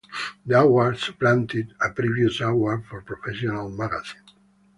The award supplanted a previous award for professional magazine.